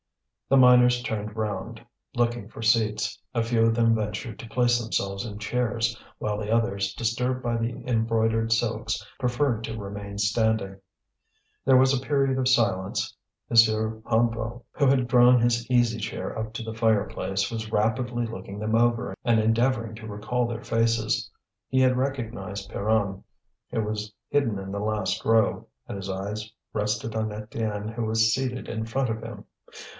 The miners turned round looking for seats. A few of them ventured to place themselves on chairs, while the others, disturbed by the embroidered silks, preferred to remain standing. There was a period of silence. M. Hennebeau, who had drawn his easy chair up to the fireplace, was rapidly looking them over and endeavouring to recall their faces. He had recognized Pierron, who was hidden in the last row, and his eyes rested on Étienne who was seated in front of him.